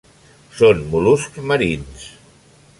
Són mol·luscs marins.